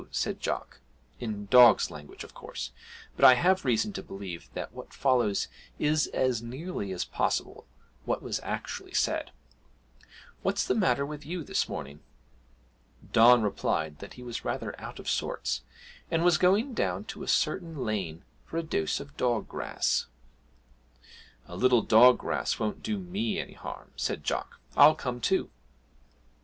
said Jock (in dogs' language of course, but I have reason to believe that what follows is as nearly as possible what was actually said). 'What's the matter with you this morning?' Don replied that he was rather out of sorts, and was going down to a certain lane for a dose of dog grass. 'A little dog grass won't do me any harm,' said Jock; 'I'll come too.'